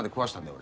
俺。